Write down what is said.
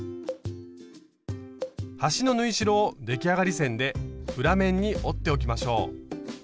端の縫い代を出来上がり線で裏面に折っておきましょう。